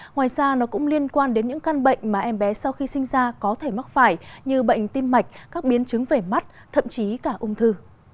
ngoài ra nó cũng liên quan đến những căn bệnh mà em bé sau khi sinh ra có thể mắc phải như bệnh tim mạch các biến chứng vẻ mắt thậm chí cả ung thư